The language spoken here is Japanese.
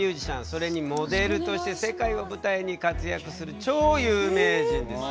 それにモデルとして世界を舞台に活躍する超有名人ですよ。